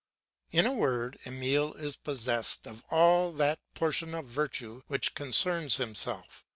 In a word Emile is possessed of all that portion of virtue which concerns himself.